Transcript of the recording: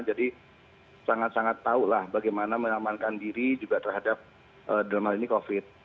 jadi sangat sangat tahulah bagaimana menyamankan diri juga terhadap dalam hal ini covid